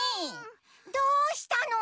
どうしたの？